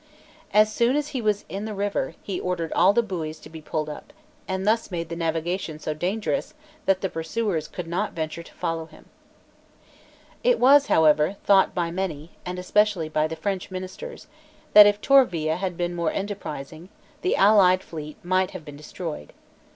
As soon as he was in the river, he ordered all the buoys to be pulled up, and thus made the navigation so dangerous, that the pursuers could not venture to follow him, It was, however, thought by many, and especially by the French ministers, that, if Tourville had been more enterprising, the allied fleet might have been destroyed.